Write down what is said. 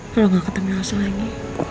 kalo gak ketemu yose lagi